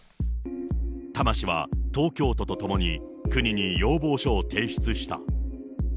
多摩市は東京都とともに国に要望書を提出した。